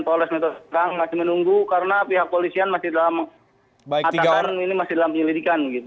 polres metoskang masih menunggu karena pihak kepolisian masih dalam penyelidikan